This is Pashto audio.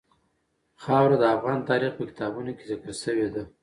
خاوره د افغان تاریخ په کتابونو کې ذکر شوي دي.